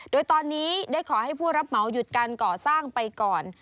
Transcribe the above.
โดยตอนนี้ได้ขอให้ผู้รับเหมาหยุดการก่อสร้างไปก่อน